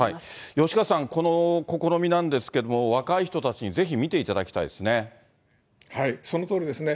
吉川さん、この試みなんですけども、若い人たちにぜひ見ていそのとおりですね。